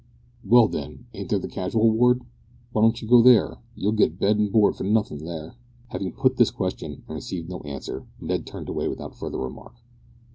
"Well, then, ain't there the casual ward? Why don't you go there? You'll git bed and board for nothin' there." Having put this question, and received no answer, Ned turned away without further remark.